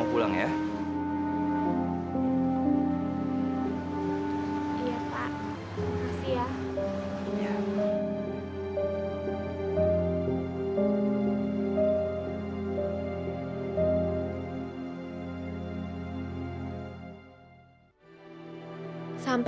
kamu pulang ya